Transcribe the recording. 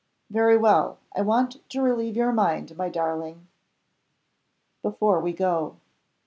"Very well. I want to relieve your mind, my darling before we go.